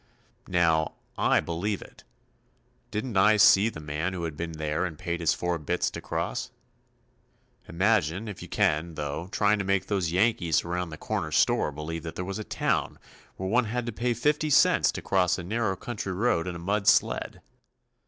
Now, I believe it. Didn't I see the man who had been there and paid his four bits to cross? Imagine, if you can, though, trying to make those Yankees around the corner store believe that there was a town where one had to pay 50 cents to cross a narrow country road in a mud sled.